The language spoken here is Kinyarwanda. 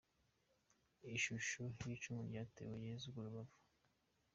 Ishusho y’icumu ryatewe Yesu mu rubavu.